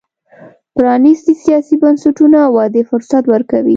پرانیستي سیاسي بنسټونه ودې فرصت ورکوي.